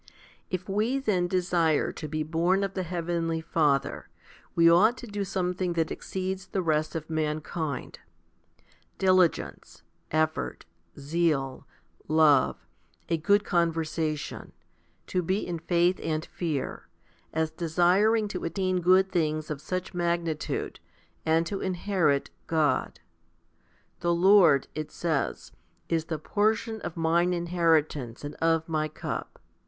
3. If we then desire to be born of the heavenly Father, we ought to do something that exceeds the rest of man kind diligence, effort, zeal, love, a good conversation, to be in faith and fear, as desiring to attain good things of such magnitude, and to inherit God. The Lord, it says, is the portion of mine inheritance and of my cup.